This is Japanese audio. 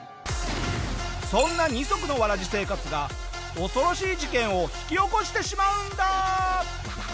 そんな二足のわらじ生活が恐ろしい事件を引き起こしてしまうんだ！